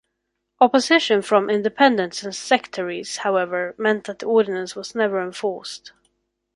Opposition from Independents and sectaries, however, meant that the ordinance was never enforced.